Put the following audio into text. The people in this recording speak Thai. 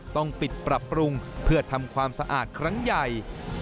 ต้องปิดปรับปรุงเพื่อทำความสะอาดครั้งใหญ่